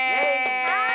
はい。